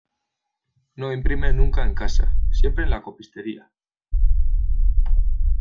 No imprime nunca en casa, siempre en la copistería.